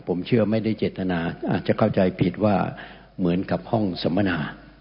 ผมเชื่อไม่ได้เจตนาอาจจะเข้าใจผิดว่าเหมือนกับห้องสัมมนา